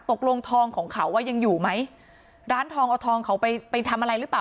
ตกลงทองของเขาว่ายังอยู่ไหมร้านทองเอาทองเขาไปไปทำอะไรหรือเปล่า